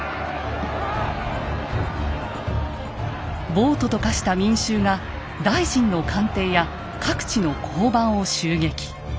暴徒と化した民衆が大臣の官邸や各地の交番を襲撃。